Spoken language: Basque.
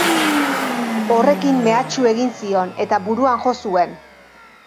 Horrekin mehatxu egin zion eta buruan jo zuen.